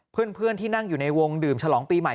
เพื่อนที่นั่งอยู่ในวงดื่มฉลองปีใหม่